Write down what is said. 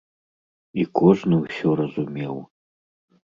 І кожны ўсё разумеў.